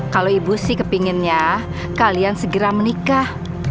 kalau ibu sih kepinginnya kalian segera menikah